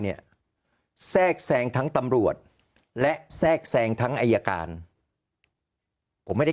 เนี่ยแทรกแทรงทั้งตำรวจและแทรกแซงทั้งอายการผมไม่ได้